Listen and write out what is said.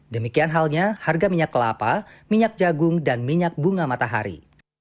demikian halnya harga minyak kelapa minyak jagung dan minyak bunga matahari